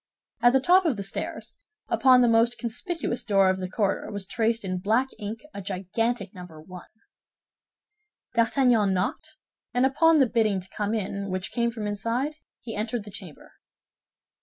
At the top of the stairs, upon the most conspicuous door of the corridor, was traced in black ink a gigantic number "1." D'Artagnan knocked, and upon the bidding to come in which came from inside, he entered the chamber.